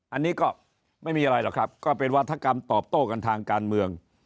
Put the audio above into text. อันนี้ก็ไม่มีอะไรหรอกครับก็เป็นวัฒกรรมตอบโต้กันทางการเมือง